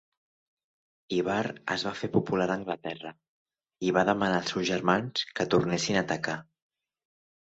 Ivar es va fer popular a Anglaterra i va demanar als seus germans que tornessin a atacar.